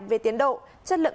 về tiến độ chất lượng khả năng